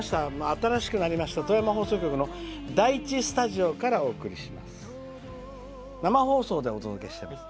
新しくなりました富山放送局の第１スタジオからお届けしています。